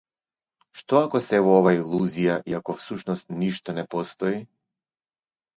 Што ако сево ова е илузија и ако всушност ништо не постои?